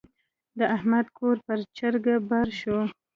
د احمد کور پر چرګه بار شو.